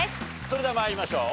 それでは参りましょう。